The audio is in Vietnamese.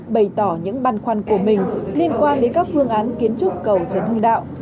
bày tỏ những băn khoăn của mình liên quan đến các phương án kiến trúc cầu trần hưng đạo